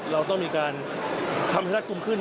เราต้องมีความทังงามขึ้น